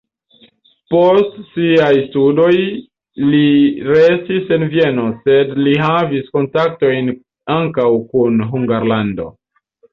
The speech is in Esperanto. Post siaj studoj li restis en Vieno, sed li havis kontaktojn ankaŭ kun Hungarlando.